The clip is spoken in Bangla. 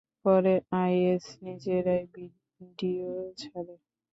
পরে আইএস নিজেরাই ভিডিও ছাড়ে।